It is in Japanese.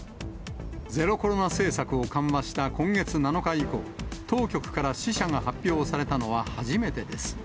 ゼロコロナ政策を緩和した今月７日以降、当局から死者が発表されたのは初めてです。